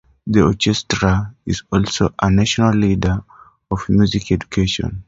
The Orchestra is also a national leader of music education.